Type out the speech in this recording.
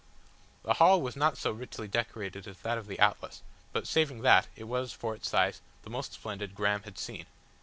The hall was not so richly decorated as that of the Atlas, but saving that, it was, for its size, the most splendid Graham had seen.